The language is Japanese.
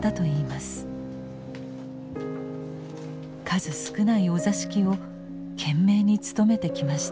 数少ないお座敷を懸命に務めてきました。